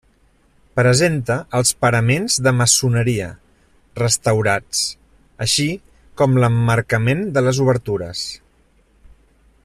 Presenta els paraments de maçoneria, restaurats, així com l'emmarcament de les obertures.